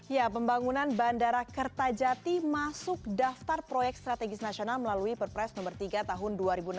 ya pembangunan bandara kertajati masuk daftar proyek strategis nasional melalui perpres nomor tiga tahun dua ribu enam belas